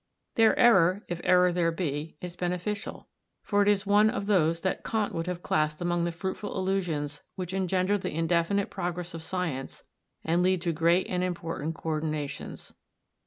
Their error, if error there be, is beneficial, for it is one of those that Kant would have classed among the fruitful illusions which engender the indefinite progress of science and lead to great and important co ordinations.